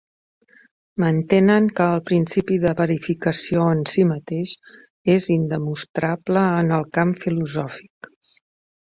Mantenen que el principi de verificació en si mateix és indemostrable en el camp filosòfic.